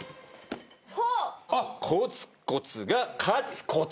コツコツが勝つコツ。